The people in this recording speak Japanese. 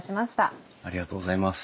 ありがとうございます。